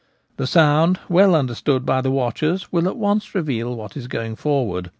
The sound, well understood by the watchers, will at once reveal what is going forward.